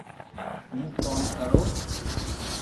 ھون ڪوم ڪرو